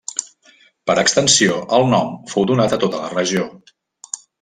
Per extensió el nom fou donat a tota la regió.